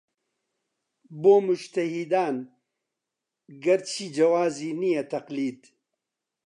بۆ موجتەهیدان گەرچی جەوازی نییە تەقلید